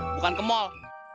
bukan ke mall